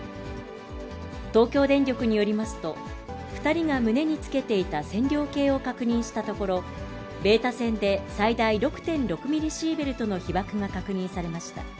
東京電力によりますと、２人が胸につけていた線量計を確認したところ、ベータ線で最大６．６ミリシーベルトの被ばくが確認されました。